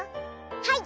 はい。